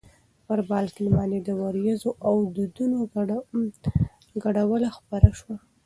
پر بالکن باندې د ورېځو او دودونو ګډوله خپره وه.